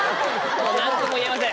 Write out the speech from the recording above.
もう何とも言えません。